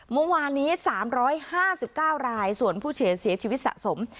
เมื่อวานนี้สามร้อยห้าสิบเก้ารายส่วนผู้เฉยเสียชีวิตสะสม